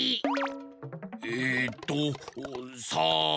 えっとさん。